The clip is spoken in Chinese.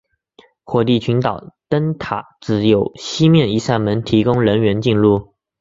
火地群岛灯塔只有西面一扇门提供人员进入。